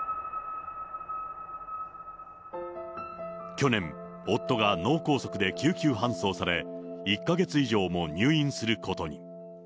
去年、夫が脳梗塞で救急搬送され、１か月以上も入院することに。